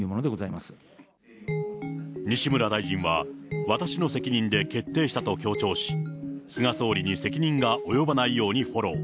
ま西村大臣は、私の責任で決定したと強調し、菅総理に責任が及ばないようにフォロー。